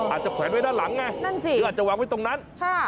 อาจจะแขวนไว้ด้านหลังไงอาจจะวางไว้ตรงนั้น